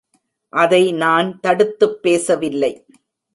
அதை நான் தடுத்துப் பேசவில்லை.